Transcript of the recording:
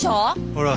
ほら